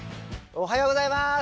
おはようございます。